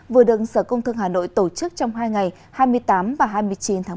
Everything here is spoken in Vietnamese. vừa được sở công thương hà nội tổ chức trong hai ngày hai mươi tám và hai mươi chín tháng một